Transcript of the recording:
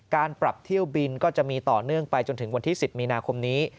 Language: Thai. การปรับเที่ยวบินก็จะมีต่อเนื่องไปจนถึงวันที่๑๐มีนาคมนี้